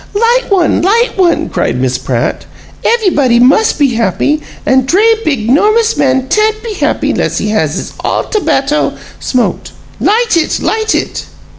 "Light one, light one!" cried Miss Pratt. "Ev'ybody mus' be happy, an' dray, big, 'normous man tan't be happy 'less he have his all tobatto smote. Light it, light it!"